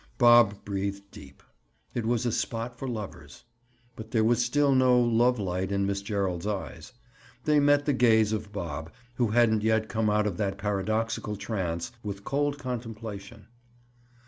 Bob breathed deep. It was a spot for lovers. But there was still no love light in Miss Gerald's eyes. They met the gaze of Bob, who hadn't yet come out of that paradoxical trance, with cold contemplation.